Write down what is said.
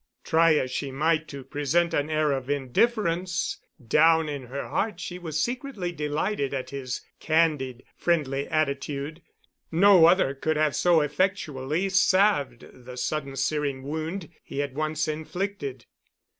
Try as she might to present an air of indifference, down in her heart she was secretly delighted at his candid, friendly attitude. No other could have so effectually salved the sudden searing wound he had once inflicted.